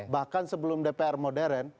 bahkan sebelum dpr modern